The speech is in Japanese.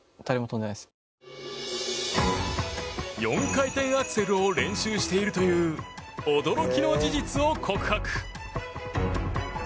４回転アクセルを練習しているという驚きの事実を告白。